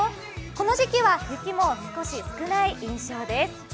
この時期は雪も少し少ない印象です。